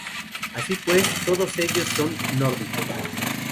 Así pues, todos ellos son "nórdicos".